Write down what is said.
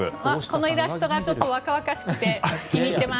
このイラストが若々しくて気に入ってます。